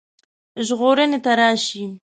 ژغورني ته راشي.